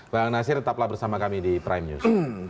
bang nasir tetaplah bersama kami di prime news